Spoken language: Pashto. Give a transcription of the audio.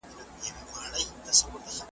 زندانونه به ماتيږي .